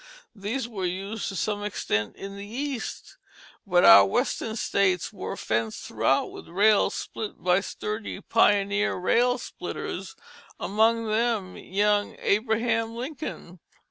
These were used to some extent in the East; but our Western states were fenced throughout with rails split by sturdy pioneer rail splitters, among them young Abraham Lincoln.